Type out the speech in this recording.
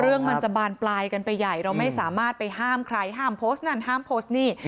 เรื่องมันจะบานปลายกันไปใหญ่เราไม่สามารถไปห้ามใครห้ามโพสต์นั่นห้ามโพสต์นี่